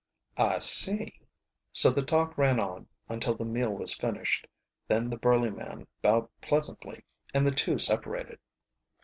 "I see." So the talk ran on until the meal was finished. Then the burly man bowed pleasantly and the two separated.